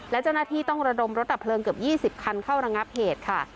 และเจ้าหน้าที่ต้องระดมรถดับเพลิงเกือบ๒๐คันเข้าระงับเหตุค่ะ